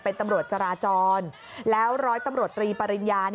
เป็นตำรวจจราจรแล้วร้อยตำรวจตรีปริญญา